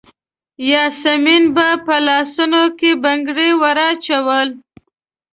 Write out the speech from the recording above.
یاسمین به په لاسونو کې بنګړي وراچول.